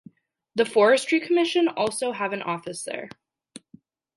The Forestry Commission also have an office there.